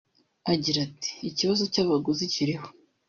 Agira ati " Ikibazo cy’abaguzi kiriho